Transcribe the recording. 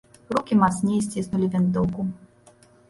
Рукі мацней сціснулі вінтоўку.